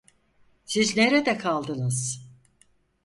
Siz nerede kaldınız?